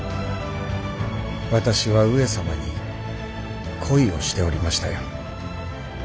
私は上様に恋をしておりましたよ。